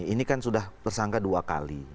ini kan sudah tersangka dua kali